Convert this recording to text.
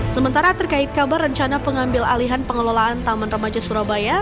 sementara terkait kabar rencana pengambil alihan pengelolaan taman remaja surabaya